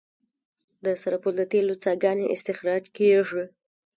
د سرپل د تیلو څاګانې استخراج کیږي